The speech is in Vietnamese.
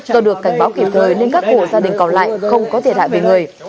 tôi được cảnh báo kịp thời nên các hộ gia đình còn lại không có thể đại về người